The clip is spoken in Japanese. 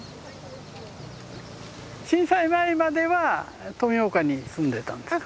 震災前までは富岡に住んでたんですか？